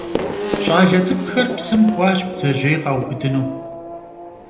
Ş'ale ts'ık'uxer psım k'uaş bdzejêy khaubıdınu.